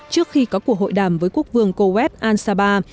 trước khi có cuộc hội đàm với quốc vương kuwait al sabah